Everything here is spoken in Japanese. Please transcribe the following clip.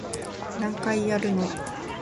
何回やるの